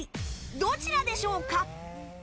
どちらでしょうか？